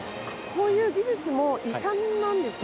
こういう技術も遺産なんですね。